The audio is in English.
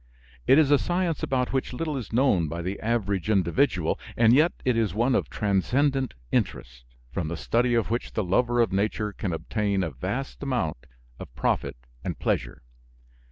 It is a science about which little is known by the average individual, and yet it is one of transcendent interest, from the study of which the lover of nature can obtain a vast amount of profit and pleasure.